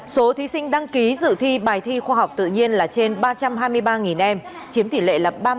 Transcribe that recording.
số thí sinh đăng ký dự thi bài thi khoa học tự nhiên là trên ba trăm hai mươi ba em chiếm tỷ lệ ba mươi một năm mươi hai